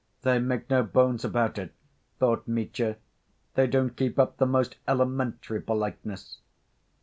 "They make no bones about it," thought Mitya, "they don't keep up the most elementary politeness."